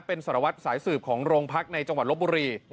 เป็นสารวัตรสายสืบของโรงพักในจังหวัดลบบุรี